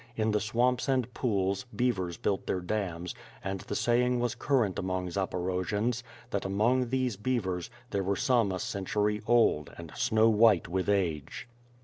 In the swamps and pools, beavers built their dams; and the saying was current among Zaporojians, that among these beavers, there were some a century old, and snow white with age.